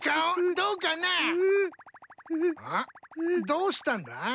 どうしたんだ？